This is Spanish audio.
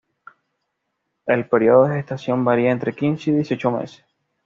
El periodo de gestación varía entre quince y dieciocho meses.